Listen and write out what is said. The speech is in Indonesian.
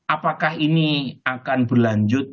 apakah ini akan berlanjut